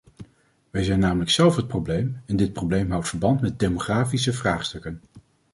Wij zijn namelijk zelf het probleem, en dit probleem houdt verband met demografische vraagstukken.